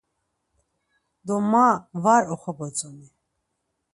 Do ma var oxobotzoni.